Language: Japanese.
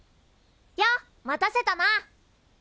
よっ待たせたな。